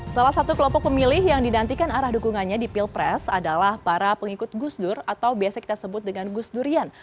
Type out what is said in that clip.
salah satu kelompok pemilih yang didantikan arah dukungannya di pilpres adalah para pengikut gusdur atau biasa kita sebut dengan gusdurian